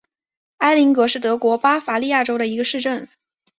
埃林格是德国巴伐利亚州的一个市镇。